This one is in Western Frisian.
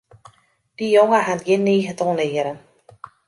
Dy jonge hat gjin niget oan learen.